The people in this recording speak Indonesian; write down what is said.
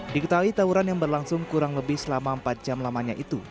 diketahui tawuran yang berlangsung kurang lebih selama empat jam lamanya itu